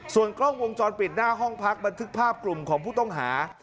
ส่วนกล้องวงจรปิดหน้าห้องพักบันทึกภาพกลุ่มของผู้ต้องหา